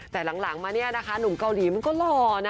แต่หลังมาเนี่ยนะคะหนุ่มเกาหลีมันก็หล่อนะ